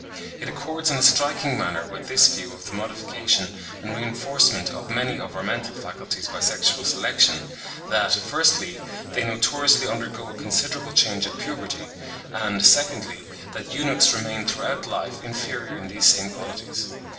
It accords in a striking manner with this view of the modification and re inforcement of many of our mental faculties by sexual selection, that, firstly, they notoriously undergo a considerable change at puberty (25. Maudsley, 'Mind and Body,' p. 31.), and, secondly, that eunuchs remain throughout life inferior in these same qualities.